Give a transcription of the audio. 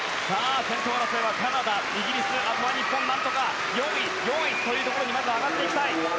先頭争いはカナダイギリス、あとは日本なんとか４位というところに上がっていきたい。